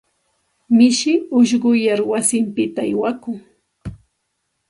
Mishi ushquyar wasinpita aywakun.